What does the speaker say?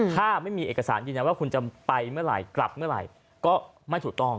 ถ้าไม่มีเอกสารยืนยันว่าคุณจะไปเมื่อไหร่กลับเมื่อไหร่ก็ไม่ถูกต้อง